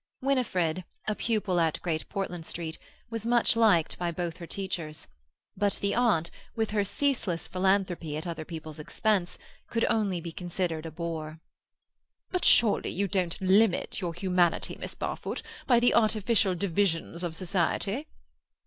Winifred, a pupil at Great Portland Street, was much liked by both her teachers; but the aunt, with her ceaseless philanthropy at other people's expense, could only be considered a bore. "But surely you don't limit your humanity, Miss Barfoot, by the artificial divisions of society."